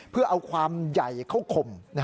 เพื่อเอาความใหญ่เข้าข่ม